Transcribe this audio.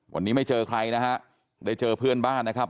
วันนี้ไม่เจอใครนะฮะได้เจอเพื่อนบ้านนะครับ